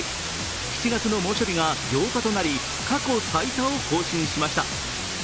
７月の猛暑日が８日となり過去最多を更新しました。